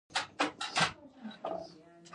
علي د احمد مرید دی، احمد چې څه وایي دی یې ور سره مني.